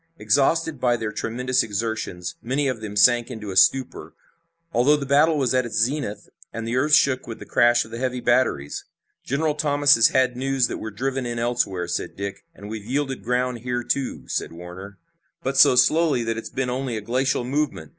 Exhausted by their tremendous exertions, many of them sank into a stupor, although the battle was at its zenith and the earth shook with the crash of the heavy batteries. "General Thomas has had news that we're driven in elsewhere," said Dick. "And we've yielded ground here, too," said Warner. "But so slowly that it's been only a glacial movement.